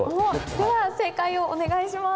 では正解をお願いします。